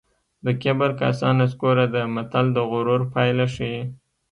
د کبر کاسه نسکوره ده متل د غرور پایله ښيي